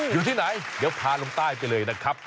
อยู่ที่ไหนเดี๋ยวพาลงใต้ไปเลยนะครับ